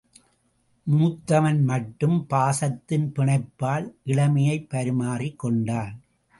மூத்தவன் மட்டும் பாசத்தின் பிணைப்பால் இளமையைப் பரிமாறிக் கொண்டான்.